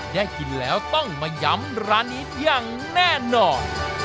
ได้กินแล้วต้องมาย้ำร้านนี้อย่างแน่นอน